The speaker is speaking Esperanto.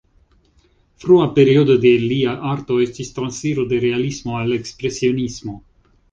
Frua periodo de lia arto estis transiro de realismo al ekspresionismo.